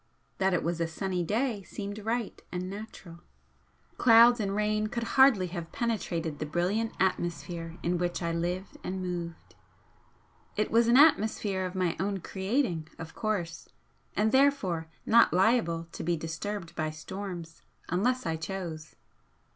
That it was a sunny day seemed right and natural clouds and rain could hardly have penetrated the brilliant atmosphere in which I lived and moved. It was an atmosphere of my own creating, of course, and therefore not liable to be disturbed by storms unless I chose.